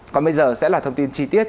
còn bây giờ sẽ là thông tin chi tiết